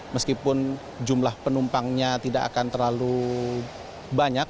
meskipun jumlah penumpangnya tidak akan terlalu banyak